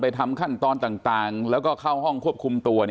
ทำขั้นตอนต่างแล้วก็เข้าห้องควบคุมตัว